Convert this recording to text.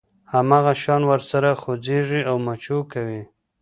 هماغه شان ورسره خوځېږي او مچو کوي.